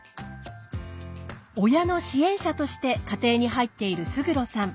親の支援者として家庭に入っている勝呂さん。